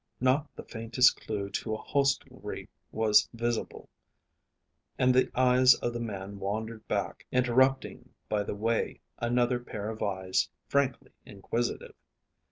Not the faintest clue to a hostelry was visible, and the eyes of the man wandered back, interrupting by the way another pair of eyes frankly inquisitive.